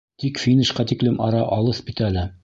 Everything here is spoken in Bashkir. Тик финишҡа тиклем ара алыҫ бит әле.